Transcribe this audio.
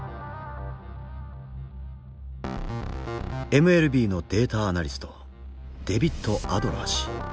ＭＬＢのデータアナリストデビッド・アドラー氏。